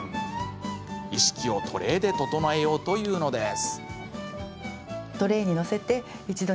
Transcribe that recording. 意識をトレーで整えようというのです。